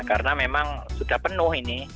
karena memang sudah penuh ini